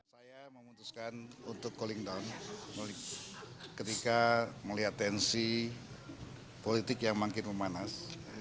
saya memutuskan untuk calling down ketika melihat tensi politik yang makin memanas